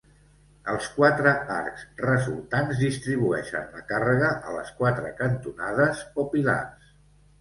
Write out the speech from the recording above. Els quatre arcs resultants distribueixen la càrrega a les quatre cantonades o pilars.